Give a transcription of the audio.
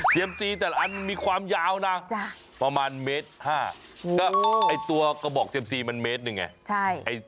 ซีแต่ละอันมีความยาวนะประมาณเมตร๕ก็ไอ้ตัวกระบอกเซียมซีมันเมตรหนึ่งไง